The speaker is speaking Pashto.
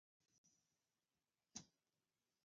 آیا زموږ راتلونکی نسل به افتخار وکړي؟